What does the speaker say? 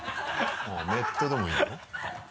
メットでもいいの？